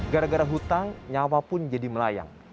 gara gara hutang nyawa pun jadi melayang